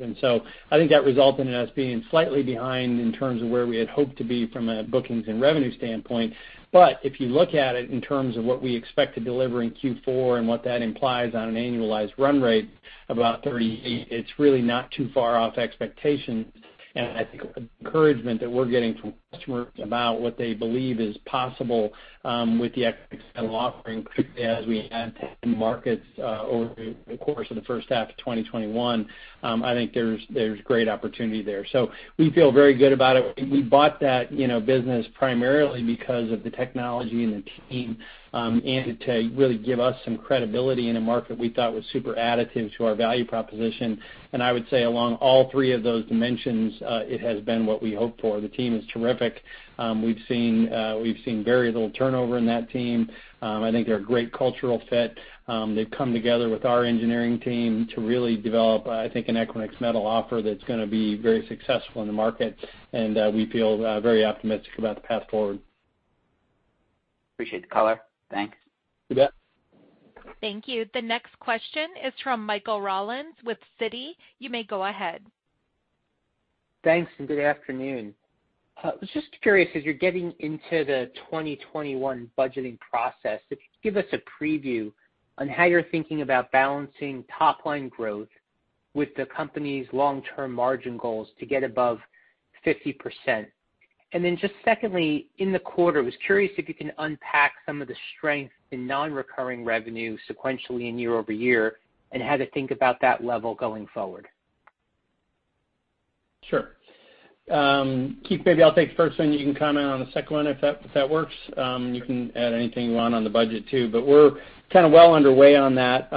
I think that resulted in us being slightly behind in terms of where we had hoped to be from a bookings and revenue standpoint. If you look at it in terms of what we expect to deliver in Q4 and what that implies on an annualized run rate, about 38, it's really not too far off expectations. I think encouragement that we're getting from customers about what they believe is possible with the Equinix Metal offering as we add markets over the course of the H1 of 2021, I think there's great opportunity there. We feel very good about it. We bought that, you know, business primarily because of the technology and the team and to really give us some credibility in a market we thought was super additive to our value proposition. I would say along all three of those dimensions, it has been what we hoped for. The team is terrific. We've seen very little turnover in that team. I think they're a great cultural fit. They've come together with our engineering team to really develop, I think, an Equinix Metal offer that's going to be very successful in the market. We feel very optimistic about the path forward. Appreciate the color. Thanks. You bet. Thank you. The next question is from Michael Rollins with Citi. You may go ahead. Thanks, and good afternoon. I was just curious, as you're getting into the 2021 budgeting process, if you could give us a preview on how you're thinking about balancing top line growth with the company's long-term margin goals to get above 50%. Just secondly, in the quarter, I was curious if you can unpack some of the strength in non-recurring revenue sequentially and year-over-year, and how to think about that level going forward. Sure. Keith, maybe I'll take the first one. You can comment on the second one if that, if that works. You can add anything you want on the budget too; we're kind of well underway on that.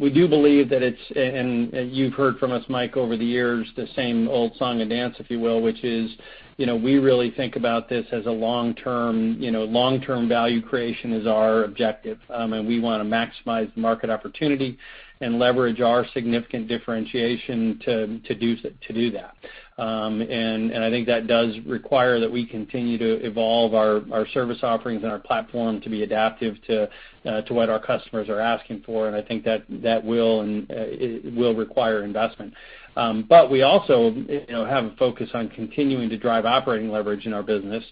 We do believe that it's, and you've heard from us, Mike, over the years, the same old song and dance, if you will, which is, you know, we really think about this as a long-term value creation is our objective. We want to maximize market opportunity and leverage our significant differentiation to do that. I think that does require that we continue to evolve our service offerings and our platform to be adaptive to what our customers are asking for. I think that will require investment. We also, you know, have a focus on continuing to drive operating leverage in our business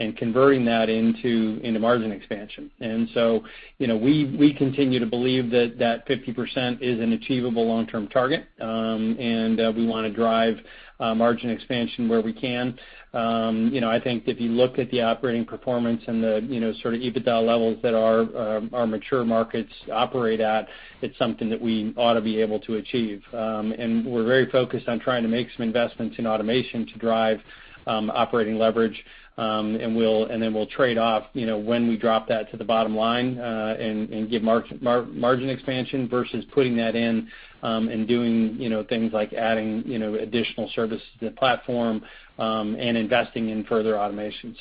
and converting that into margin expansion. You know, we continue to believe that that 50% is an achievable long-term target. We want to drive margin expansion where we can. You know, I think if you look at the operating performance and the, you know, sort of EBITDA levels that our mature markets operate at, it's something that we ought to be able to achieve. We're very focused on trying to make some investments in automation to drive operating leverage. We'll trade off, you know, when we drop that to the bottom line, and give margin expansion versus putting that in, and doing, you know, things like adding, you know, additional services to the Platform, and investing in further automation.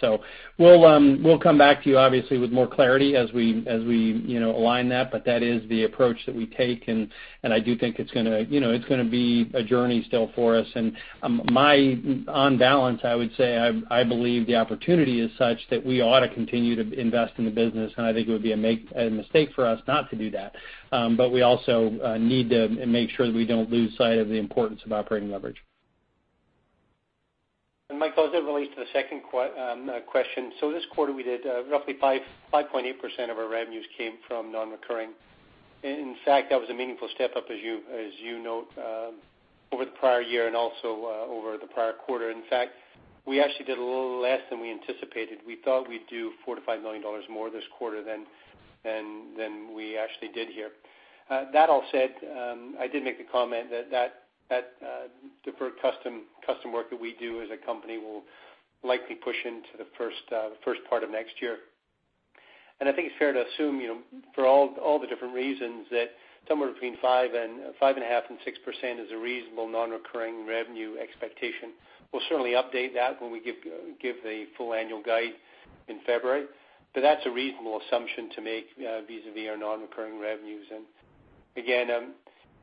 We'll come back to you obviously with more clarity as we, you know, align that, but that is the approach that we take. I do think it's going to, you know, it's going to be a journey still for us. On balance, I would say I believe the opportunity is such that we ought to continue to invest in the business, and I think it would be a mistake for us not to do that. We also need to make sure that we don't lose sight of the importance of operating leverage. Michael, as it relates to the second question, this quarter we did roughly 5.8% of our revenues came from non-recurring. That was a meaningful step up as you, as you note, over the prior year and also over the prior quarter. We actually did a little less than we anticipated. We thought we'd do $4-$5 million more this quarter than we actually did here. That all said, I did make the comment that deferred custom work that we do as a company will likely push into the first part of next year. I think it's fair to assume, for all the different reasons that somewhere between 5% and 5.5% and 6% is a reasonable non-recurring revenue expectation. We'll certainly update that when we give the full annual guide in February. That's a reasonable assumption to make, vis-a-vis our non-recurring revenues. Again,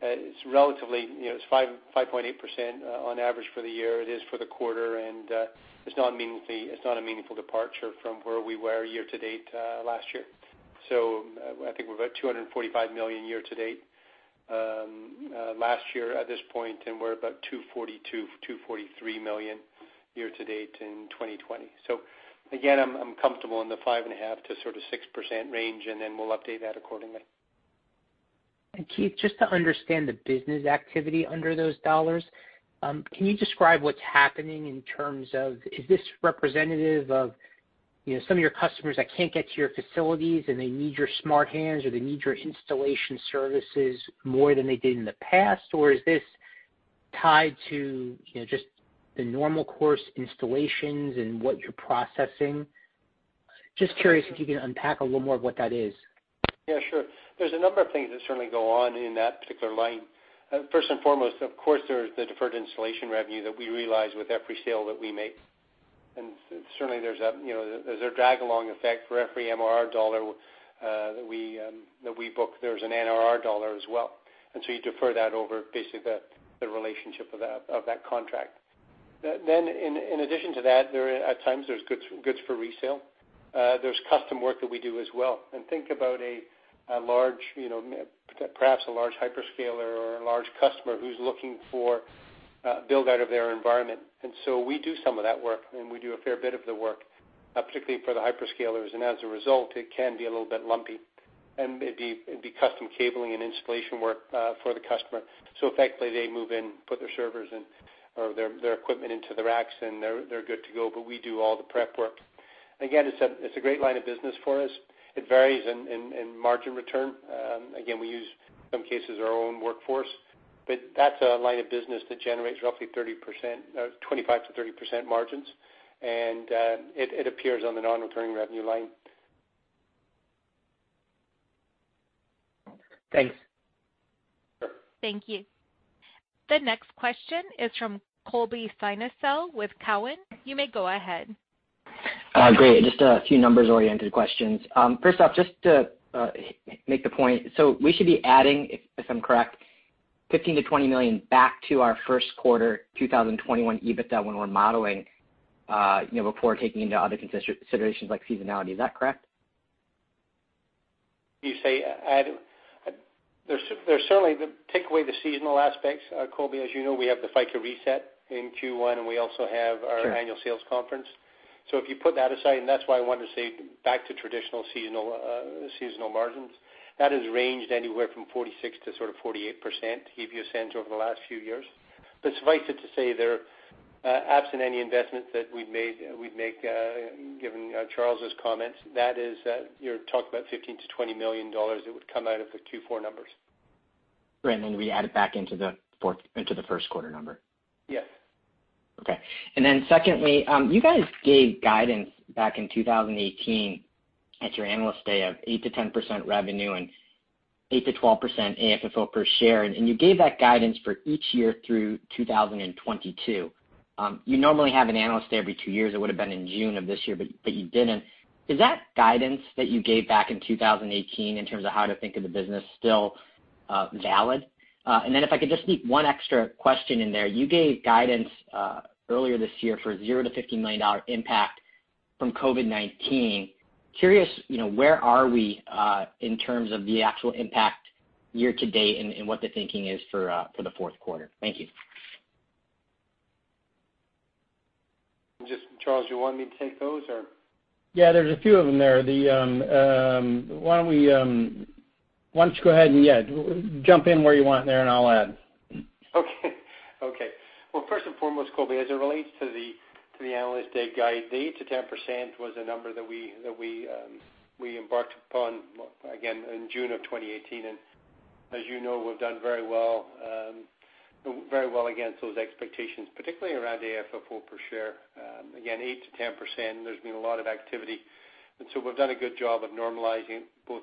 it's relatively, it's 5.8% on average for the year. It is for the quarter, and it's not a meaningful departure from where we were year-to-date last year. I think we're about $245 million year-to-date last year at this point, and we're about $242 million, $243 million year-to-date in 2020. Again, I'm comfortable in the 5.5%-sort of 6% range, and then we'll update that accordingly. Keith, just to understand the business activity under those dollars, can you describe what's happening in terms of is this representative of, you know, some of your customers that can't get to your facilities and they need your Smart Hands, or they need your installation services more than they did in the past? Or is this tied to, you know, just the normal course installations and what you're processing? Just curious if you can unpack a little more of what that is? Yeah, sure. There's a number of things that certainly go on in that particular line. First and foremost, of course, there's the deferred installation revenue that we realize with every sale that we make. Certainly, there's a, you know, there's a drag along effect for every MRR dollar that we book. There's an NRR dollar as well, so you defer that over basically the relationship of that contract. Then in addition to that, at times, there's goods for resale. There's custom work that we do as well. Think about a large, you know, perhaps a large hyperscaler or a large customer who's looking for a build out of their environment. We do some of that work, and we do a fair bit of the work, particularly for the hyperscalers. As a result, it can be a little bit lumpy, and it'd be custom cabling and installation work for the customer. Effectively, they move in, put their servers in or their equipment into the racks, and they're good to go, but we do all the prep work. Again, it's a great line of business for us. It varies in margin return. Again, we use some cases our own workforce, but that's a line of business that generates roughly 30%, 25%-30% margins. It appears on the non-recurring revenue line. Thanks. Thank you. The next question is from Colby Synesael with Cowen. You may go ahead. Great. Just a few numbers-oriented questions. First off, just to make the point, so we should be adding, if I'm correct, $15-$20 million back to our Q1 2021 EBITDA when we're modeling, you know, before taking into other considerations like seasonality. Is that correct? There's certainly the takeaway the seasonal aspects, Colby. As you know, we have the FICA reset in Q1, and we also have our annual sales conference. If you put that aside, and that's why I wanted to say back to traditional seasonal margins, that has ranged anywhere from 46%-48%, give you a sense, over the last few years. Suffice it to say there, absent any investments that we've made, we'd make, given Charles's comments, that is, you're talking about $15-$20 million that would come out of the Q4 numbers. Right, we add it back into the Q1 number. Yes. Okay. Secondly, you guys gave guidance back in 2018 at your Analyst Day of 8%-10% revenue and 8%-12% AFFO per share. You gave that guidance for each year through 2022. You normally have an Analyst Day every two years. It would've been in June of this year, but you didn't. Is that guidance that you gave back in 2018 in terms of how to think of the business still valid? If I could just sneak one extra question in there. You gave guidance earlier this year for $0-$50 million impact from COVID-19. Curious, you know, where are we in terms of the actual impact year to date and what the thinking is for the Q4? Thank you. Just Charles, do you want me to take those or? Yeah, there's a few of them there. Why don't we, why don't you go ahead and yeah, jump in where you want there, and I'll add. Okay. Well, first and foremost, Colby, as it relates to the Analyst Day guide, the 8%-10% was a number that we embarked upon, again, in June of 2018. As you know, we've done very well against those expectations, particularly around AFFO per share. Again, 8%-10%, there's been a lot of activity. We've done a good job of normalizing both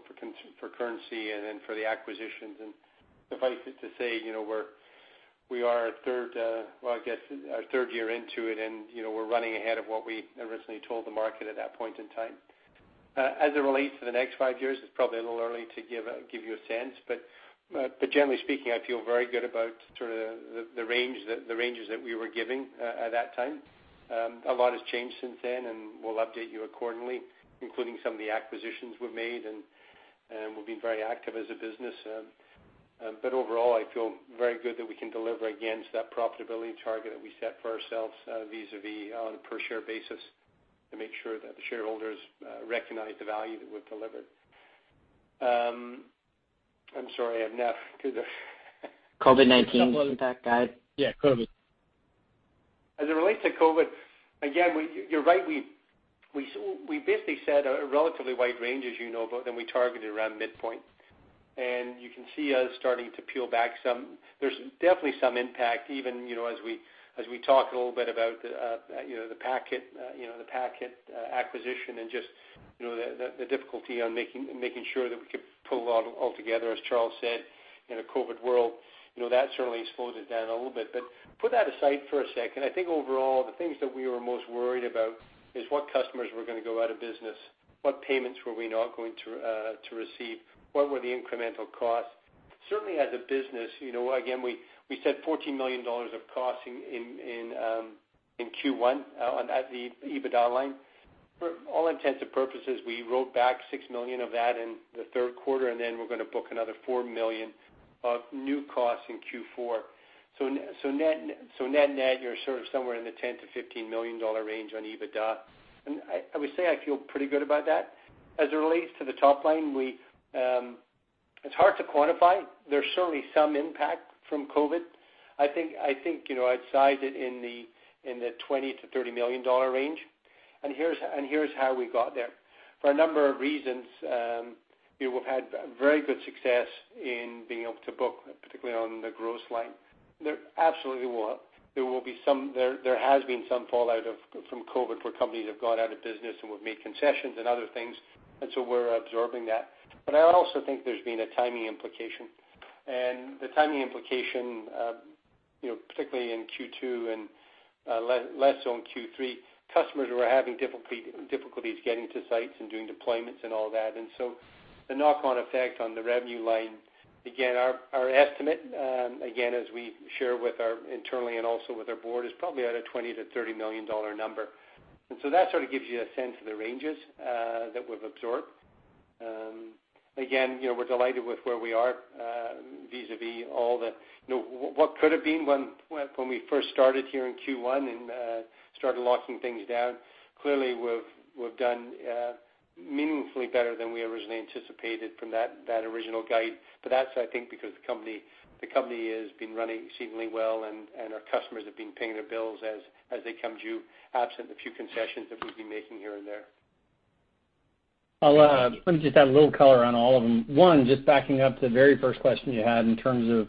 for currency and then for the acquisitions. Suffice it to say, you know, we are third, well, I guess our third year into it, and, you know, we're running ahead of what we originally told the market at that point in time. As it relates to the next five years, it's probably a little early to give you a sense, but generally speaking, I feel very good about sort of the ranges that we were giving at that time. A lot has changed since then, and we'll update you, accordingly, including some of the acquisitions we've made, and we've been very active as a business. Overall, I feel very good that we can deliver against that profitability target that we set for ourselves, vis-a-vis on a per share basis to make sure that the shareholders recognize the value that we've delivered. I'm sorry, I'm now to the COVID-19 impact guide. Yeah, COVID. As it relates to COVID, again, we, you're right, we basically set a relatively wide range, as you know, but then we targeted around midpoint. You can see us starting to peel back some. There's definitely some impact even, you know, as we, as we talk a little bit about, you know, the Packet, you know, the Packet acquisition and just, you know, the difficulty on making sure that we could pull it all together, as Charles said, in a COVID world. You know, that certainly slowed it down a little bit. Put that aside for a second. I think overall, the things that we were most worried about is what customers were going to go out of business, what payments were we not going to receive, what were the incremental costs. Certainly, as a business, you know, again, we said $14 million of costs in Q1 at the EBITDA line. For all intents and purposes, we wrote back $6 million of that in the Q3. We're going to book another $4 million of new costs in Q4. Net-net, you're sort of somewhere in the $10-$15 million range on EBITDA. I would say I feel pretty good about that. As it relates to the top line, we, it's hard to quantify. There's certainly some impact from COVID. I think, you know, I'd size it in the $20-$30 million range. Here's how we got there. For a number of reasons, you know, we've had very good success in being able to book, particularly on the gross line. There absolutely will. There has been some fallout of, from COVID where companies have gone out of business, and we've made concessions and other things, we're absorbing that. I also think there's been a timing implication. The timing implication, you know, particularly in Q2 and less so in Q3, customers were having difficulties getting to sites and doing deployments and all that. The knock-on effect on the revenue line, again, our estimate, again, as we share with our internally and also with our board, is probably at a $20-$30 million number. That sort of gives you a sense of the ranges that we've absorbed. Again, you know, we're delighted with where we are, vis-a-vis all the, you know, what could have been when we first started here in Q1 and started locking things down. Clearly, we've done meaningfully better than we originally anticipated from that original guide. That's, I think, because the company has been running exceedingly well, and our customers have been paying their bills as they come due, absent the few concessions that we've been making here and there. I'll let me just add a little color on all of them. One, just backing up to the very first question you had in terms of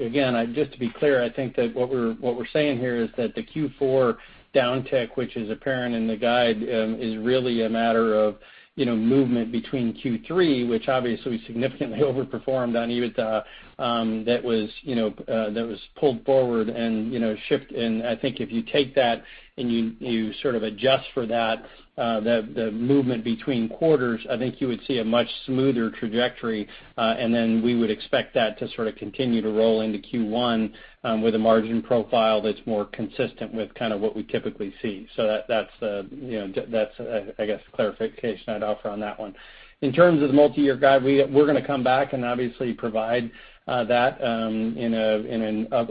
again, just to be clear, I think that what we're, what we're saying here is that the Q4 downtick, which is apparent in the guide, is really a matter of, you know, movement between Q3, which obviously significantly overperformed on EBITDA, that was, you know, that was pulled forward and, you know, shift. I think if you take that and you sort of adjust for that, the movement between quarters, I think you would see a much smoother trajectory. We would expect that to sort of continue to roll into Q1 with a margin profile that's more consistent with kind of what we typically see. That's the, you know, that's, I guess, clarification I'd offer on that one. In terms of the multi-year guide, we're going to come back and obviously provide that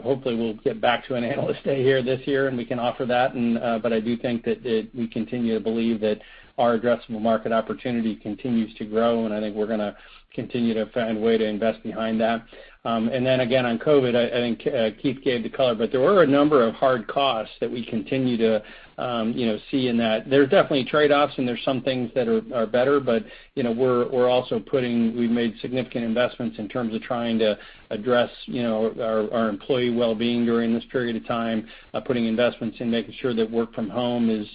hopefully we'll get back to an Analyst Day here this year, and we can offer that and, but I do think that we continue to believe that our addressable market opportunity continues to grow, and I think we're going to continue to find a way to invest behind that. Again, on COVID, I think Keith gave the color, but there were a number of hard costs that we continue to, you know, see in that. There are definitely trade-offs, and there's some things that are better. You know, we've made significant investments in terms of trying to address, you know, our employee wellbeing during this period of time, putting investments in making sure that work from home is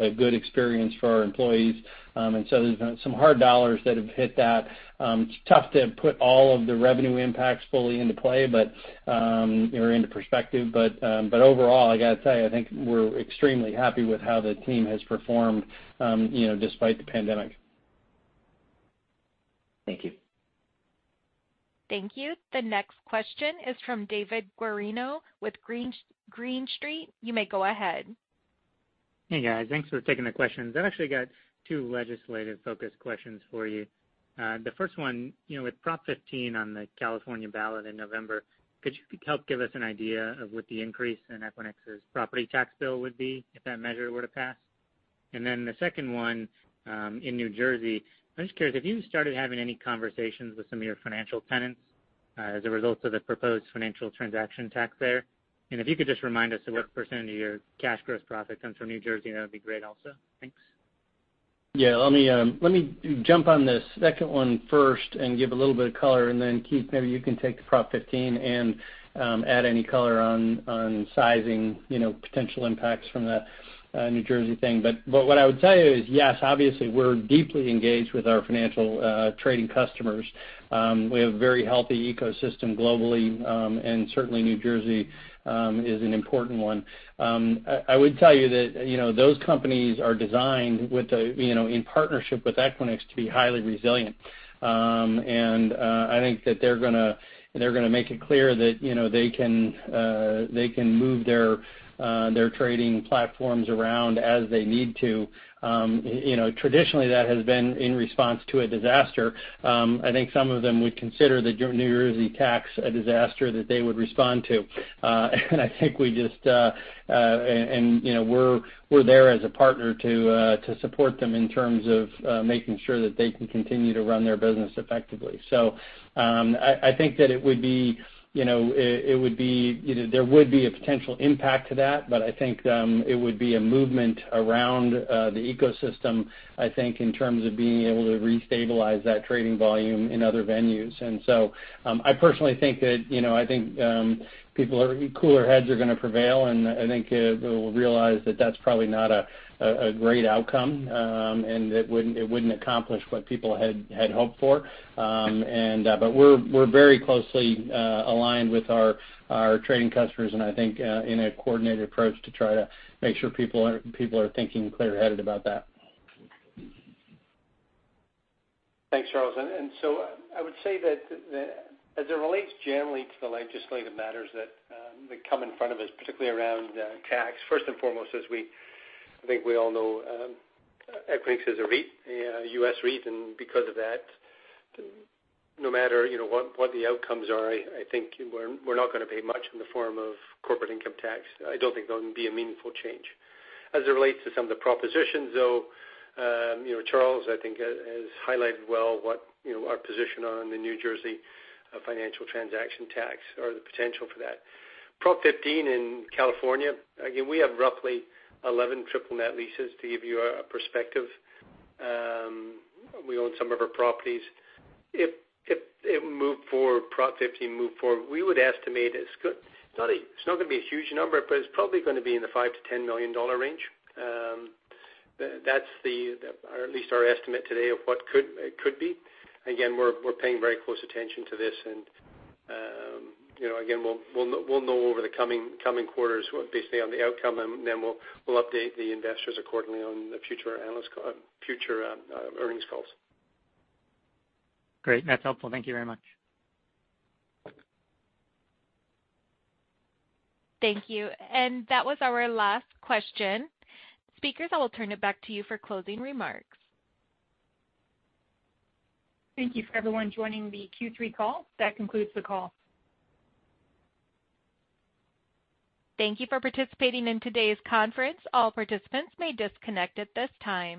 a good experience for our employees. There's been some hard dollars that have hit that. It's tough to put all of the revenue impacts fully into play, but or into perspective. Overall, I got to tell you, I think we're extremely happy with how the team has performed, you know, despite the pandemic. Thank you. Thank you. The next question is from David Guarino with Green Street. You may go ahead. Hey, guys. Thanks for taking the questions. I've actually got two legislative-focused questions for you. The first one, you know, with Proposition 15 on the California ballot in November, could you help give us an idea of what the increase in Equinix's property tax bill would be if that measure were to pass? The second one, in New Jersey, I'm just curious, have you started having any conversations with some of your financial tenants, as a result of the proposed financial transaction tax there? If you could just remind us of what percent of your cash gross profit comes from New Jersey, that would be great also. Thanks. Yeah, let me, let me jump on the second one first and give a little bit of color. Keith, maybe you can take the Proposition 15 and add any color on sizing, you know, potential impacts from the New Jersey thing. What I would tell you is, yes, obviously, we're deeply engaged with our financial trading customers. We have a very healthy ecosystem globally, certainly New Jersey is an important one. I would tell you that, you know, those companies are designed with a, you know, in partnership with Equinix to be highly resilient. I think that they're going to make it clear that, you know, they can move their trading platforms around as they need to. You know, traditionally, that has been in response to a disaster. I think some of them would consider the New Jersey tax a disaster that they would respond to. I think we just, and, you know, we're there as a partner to support them in terms of making sure that they can continue to run their business effectively. I think that it would be, you know, it would be, you know, there would be a potential impact to that, but I think, it would be a movement around the ecosystem, I think, in terms of being able to restabilize that trading volume in other venues. I personally think that, you know, I think, cooler heads are going to prevail, and we'll realize that that's probably not a great outcome, and it wouldn't accomplish what people had hoped for. We're very closely aligned with our trading customers, and I think, in a coordinated approach to try to make sure people are thinking clear-headed about that. Thanks, Charles. I would say that as it relates generally to the legislative matters that come in front of us, particularly around tax, first and foremost, as we, I think we all know, Equinix is a REIT, a U.S. REIT, and because of that, no matter, you know, what the outcomes are, I think we're not going to pay much in the form of corporate income tax. I don't think there'll be a meaningful change. As it relates to some of the propositions, though, you know, Charles, I think has highlighted well what, you know, our position on the New Jersey financial transaction tax or the potential for that. Proposition 15 in California, again, we have roughly 11 triple net leases to give you a perspective. We own some of our properties. If moved forward, Proposition 15 moved forward, we would estimate it's not going to be a huge number, but it's probably going to be in the $5-$10 million range. That's the, at least our estimate today of what it could be. Again, we're paying very close attention to this, and, you know, again, we'll know over the coming quarters based on the outcome, and then we'll update the investors accordingly on the future earnings calls. Great. That's helpful. Thank you very much. Thank you. That was our last question. Speakers, I will turn it back to you for closing remarks. Thank you for everyone joining the Q3 call. That concludes the call. Thank you for participating in today's conference. All participants may disconnect at this time.